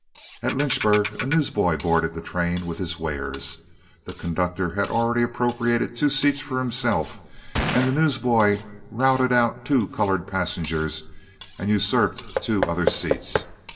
At Lynchburg a newsboy boarded the train with his wares. The conductor had already appropriated two seats for himself, and the newsboy routed out two colored passengers, and usurped two other seats.